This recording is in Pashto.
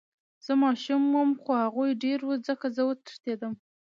زه ماشوم وم خو هغوي ډير وو ځکه زه وتښتېدم.